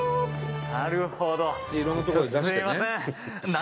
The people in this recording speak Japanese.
「なるほど」